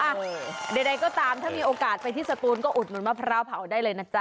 ใดก็ตามถ้ามีโอกาสไปที่สตูนก็อุดหนุนมะพร้าวเผาได้เลยนะจ๊